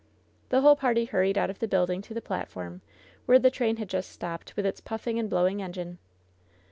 The whole party hurried out of the building to the platform, where the train had just stopped, with its puflBng and blowing engine.